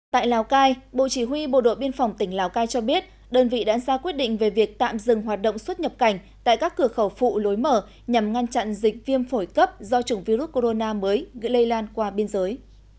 tại lào cai bộ chỉ huy bộ đội biên phòng tỉnh lào cai cho biết đơn vị đã ra quyết định về việc tạm dừng hoạt động xuất nhập cảnh tại các cửa khẩu phụ lối mở nhằm ngăn chặn dịch viêm phổi cấp do chủng virus corona mới lây lan qua biên giới